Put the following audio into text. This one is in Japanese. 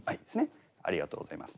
ありがとうございます。